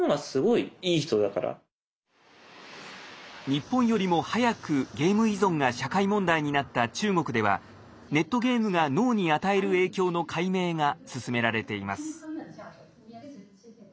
日本よりも早くゲーム依存が社会問題になった中国ではネットゲームが脳に与える影響の解明が進められています。